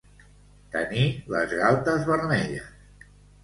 Tenir les galtes vermelles.